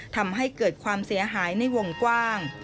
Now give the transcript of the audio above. ทำให้เกิดความเสียหายในวงกว้าง